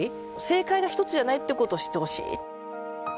正解が１つじゃないってことを知ってほしい。